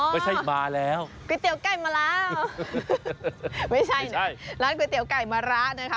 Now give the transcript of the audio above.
ไม่ใช่มาแล้วก๋วยเตี๋ยวไก่มะระไม่ใช่นะร้านก๋วยเตี๋ยไก่มะระนะคะ